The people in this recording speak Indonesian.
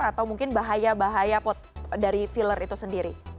atau mungkin bahaya bahaya dari filler itu sendiri